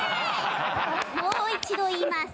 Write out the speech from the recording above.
もう一度言います。